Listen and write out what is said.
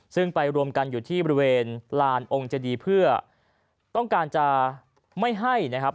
ซึ่งไปรวมกันอยู่ที่บริเวณลานองค์เจดีเพื่อต้องการจะไม่ให้นะครับ